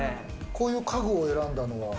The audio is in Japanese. こういう家具を選んだのは？